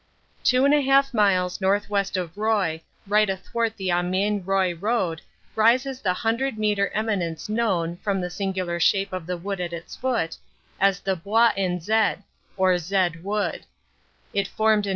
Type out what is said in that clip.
Two and a half miles northwest of Roye right athwart the Amiens Roye road rises the 100 metre eminence known, from the singular shape of the wood at its foot, as the Bois en Z, or Zed Wood. It formed an.